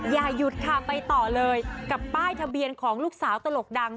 อย่าหยุดค่ะไปต่อเลยกับป้ายทะเบียนของลูกสาวตลกดัง